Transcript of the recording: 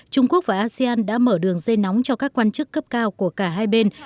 trung quốc và asean đã mở đường dây nóng cho các quan chức cấp cao của cả hai bên